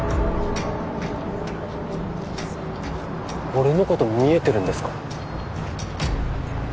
俺のこと見えてるんですか？